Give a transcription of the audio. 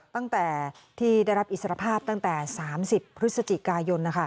ตั้งแต่ที่ได้รับอิสรภาพตั้งแต่๓๐พฤศจิกายน